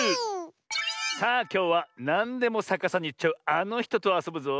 さあきょうはなんでもさかさにいっちゃうあのひととあそぶぞ。